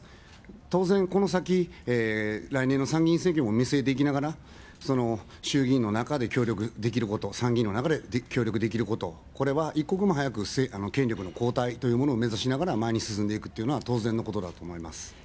当然、この先、来年の参議院選挙も見据えていきながら、衆議院の中で、協力できること、参議院の中で協力できること、これは一刻も早く権力の交代というものを目指しながら、前に進んでいくということは当然のことだと思います。